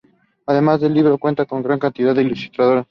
Además, el libro cuenta con gran cantidad de ilustraciones.